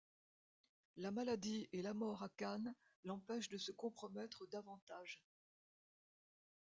La maladie et la mort à Cannes l'empêchent de se compromettre davantage.